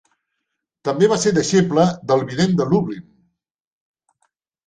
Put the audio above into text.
També va ser deixeble del Vident de Lublin.